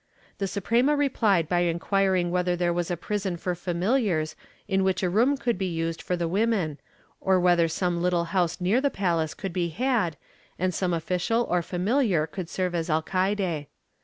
The Suprema replied by inquiring whether there was a prison for familiars in which a room could be used for the women, or whether some little house near the palace could be had and some official or familiar could serve as alcaide.